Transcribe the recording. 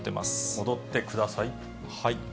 戻ってください。